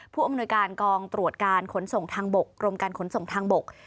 ผู้อำนวยการกองตรวจการขนส่งทางบกกรมการขนส่งทางบก